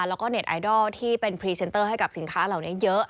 แล้วก็เน็ตไอดอลที่เป็นพรีเซนเตอร์ให้กับสินค้าเหล่านี้เยอะ